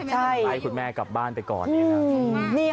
ไปให้คุณแม่กลับบ้านไปก่อนเนี่ยค่ะ